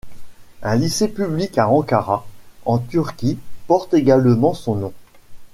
Un lycée public à Ankara, en Turquie porte également son nom.